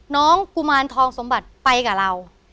กุมารทองสมบัติไปกับเรา